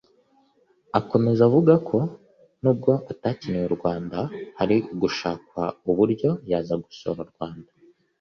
Akomeza avuga ko ariko nubwo atakiniye u Rwanda hari gushakwa uburyo yaza gusura u Rwanda